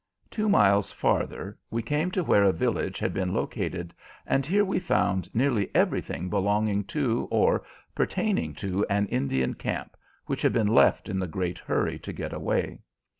Two miles farther we came to where a village had been located, and here we found nearly everything belonging to or pertaining to an Indian camp, which had been left in the great hurry to get away.